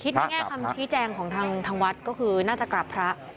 คิดในแง่คำชี้แกล้งของทางทางวัดเช่าเลยน่าจะกราบพระธุ์